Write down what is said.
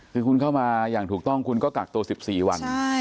คือคุณเข้ามาอย่างถูกต้องคุณก็กักตัว๑๔วัน